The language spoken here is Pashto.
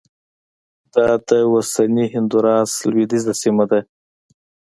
دا د اوسني هندوراس لوېدیځه سیمه ده